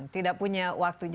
tidak punya waktu